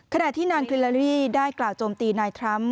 ขณะที่นางคิลาลี่ได้กล่าวโจมตีนายทรัมป